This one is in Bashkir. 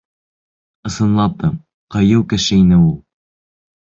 Ысынлап та, ҡыйыу кеше ине ул.